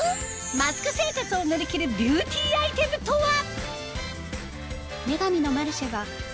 ⁉マスク生活を乗り切るビューティーアイテムとは？